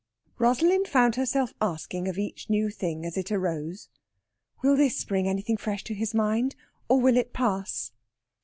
Rosalind found herself asking of each new thing as it arose: "Will this bring anything fresh to his mind, or will it pass?"